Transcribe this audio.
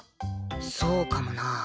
そうかもな。